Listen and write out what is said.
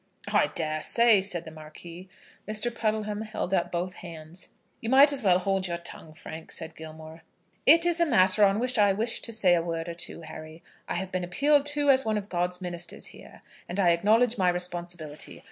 "I dare say," said the Marquis. Mr. Puddleham held up both hands. "You might as well hold your tongue, Frank," said Gilmore. "It is a matter on which I wish to say a word or two, Harry. I have been appealed to as one of God's ministers here, and I acknowledge my responsibility.